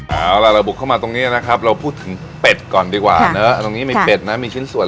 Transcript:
แล้วเอาเราบุกเข้ามาตรงนี้นะครับเราพูดหมอนี่ว่าเนอะตรงนี้มีเจนนะมีชิ้นส่วน